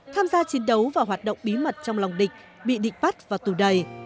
tham gia chiến đấu và hoạt động bí mật trong lòng địch bị địch bắt vào tù đầy